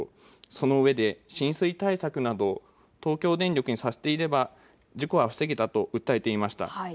そのうえで浸水対策など東京電力にさせていれば事故は防げたと訴えていました。